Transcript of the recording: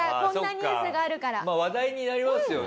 まあ話題になりますよね。